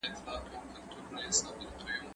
که موږ نوي طريقې زده کړو، توليد به ښه سي.